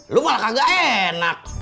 lo malah kagak enak